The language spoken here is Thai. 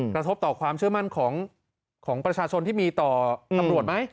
กระทบต่อความเชื่อมั่นของประชาชนที่มีต่อตำรวจไหม